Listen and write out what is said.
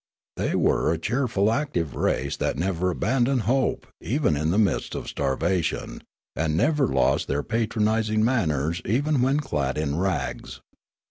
They were a cheerful, active race that never abandoned hope even in the midst of starvation, and never lost their patronising manners even when clad in rags.